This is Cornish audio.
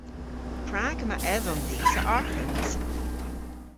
Prag yma edhom dhis a arghans?